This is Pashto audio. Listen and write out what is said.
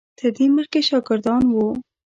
تر دې مخکې شاګردان وو.